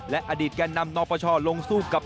และอดีตแก่นำนปชลงสู้กับ